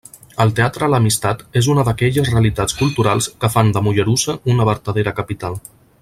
El Teatre l’Amistat és una d’aquelles realitats culturals que fan de Mollerussa una vertadera capital.